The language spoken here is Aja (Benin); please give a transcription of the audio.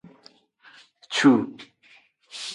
Cu.